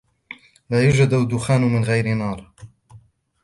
لا يوجد دخان من غير نار.